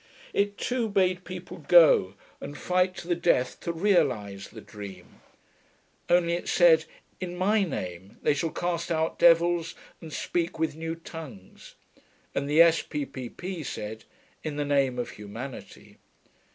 It too bade people go and fight to the death to realise the dream. Only it said, 'In my name they shall cast out devils and speak with new tongues,' and the S.P.P.P. said, 'In the name of humanity.'